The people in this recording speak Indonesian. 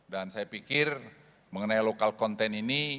saya pikir mengenai lokal konten ini